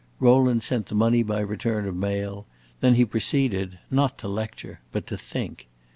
Rowland sent the money by return of mail; then he proceeded, not to lecture, but to think.